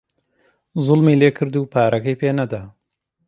زووڵمی لێکرد و پارەکەی پێ نەدا